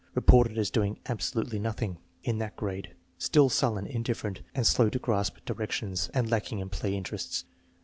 Reported as doing "absolutely nothing" in that grade. Still sullen, indifferent, and slow in grasping directions, and lacking in play interests.